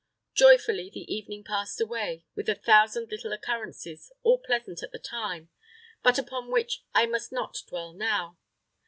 Joyfully the evening passed away, with a thousand little occurrences, all pleasant at the time, but upon which I must not dwell now.